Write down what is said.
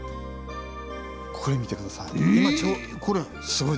これ見て下さい。